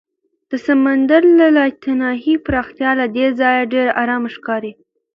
د سمندر لایتناهي پراختیا له دې ځایه ډېره ارامه ښکاري.